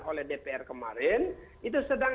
oleh dpr kemarin itu sedang